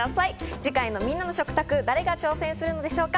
次回のみんなの食卓、誰が挑戦するんでしょうか？